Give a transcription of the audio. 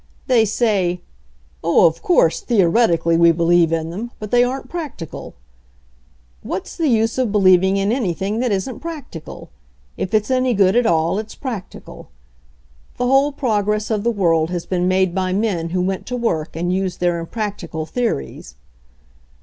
They say, 'Oh, of course, the oretically we believe in them — but they aren't practical !' What's the use of believing in anything that isn't practical? If it's any good at all it's practical. The whole progress of the world has been made by men who went to work and used their impractical theories.